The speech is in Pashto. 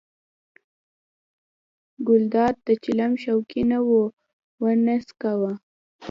ګلداد د چلم شوقي نه و نه یې څکاوه.